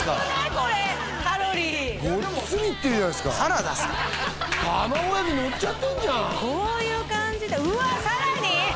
これカロリーごっつりいってるじゃないですかでもサラダっす卵焼きのっちゃってんじゃんこういう感じでうわさらに？